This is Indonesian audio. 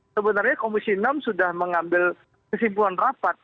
sebenarnya komisi enam sudah mengambil kesimpulan rapat